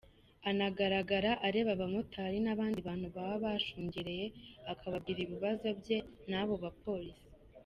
Anagaragara areba abamotari n’abandi bantu baba bashungereye, akababwira ibibazo bye n’abo bapolisi.